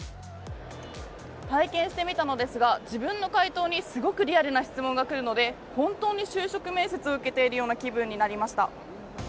体験してみたのですが自分の回答にすごくリアルな質問が返ってくるので本当に就職面接を受けているような気分になりました。